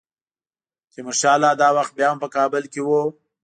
تیمورشاه لا دا وخت بیا هم په کابل کې وو.